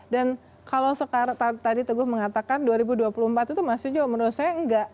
dan kalau sekarang tadi teguh mengatakan dua ribu dua puluh empat itu masih juga menurut saya nggak